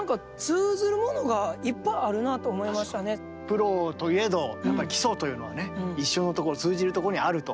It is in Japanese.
プロといえどやっぱり基礎というのはね一緒のところ通じるところにあると。